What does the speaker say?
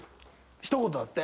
ひと言だって。